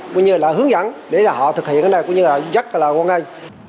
hướng dẫn để họ thực hiện cái này rất là ngon ngay